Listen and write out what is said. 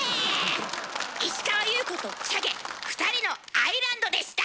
石川優子とチャゲ「ふたりの愛ランド」でした。